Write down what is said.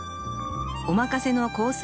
お任せのコース